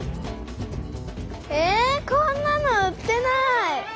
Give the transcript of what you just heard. えこんなの売ってない！